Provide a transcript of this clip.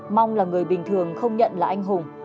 mong là người bình thường không nhận là anh hùng